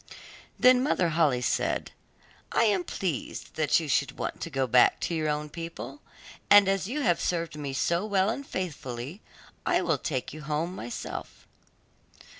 Then Mother Holle said, 'I am pleased that you should want to go back to your own people, and as you have served me so well and faithfully, I will take you home myself.